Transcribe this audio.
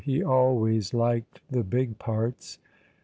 He always liked the big parts.